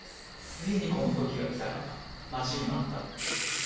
ついにこのときがきたかと、待ちに待った。